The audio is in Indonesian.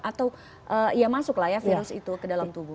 atau ya masuklah ya virus itu ke dalam tubuh